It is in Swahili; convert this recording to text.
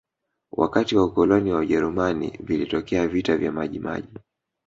wakati wa ukoloni wa ujerumani vilitokea vita vya majimaji